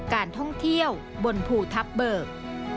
การท่องเที่ยวบนภูทับเบิก